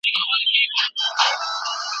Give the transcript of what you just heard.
زکات د ټولني د نظم ساتلو وسیله ده.